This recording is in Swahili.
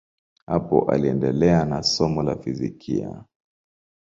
Hapo aliendelea na somo la fizikia.